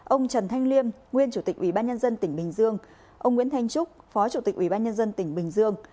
ông trần thanh liêm nguyên chủ tịch ubnd tỉnh bình dương ông nguyễn thanh trúc phó chủ tịch ubnd tỉnh bình dương